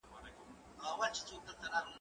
زه به سبا لرګي راوړم،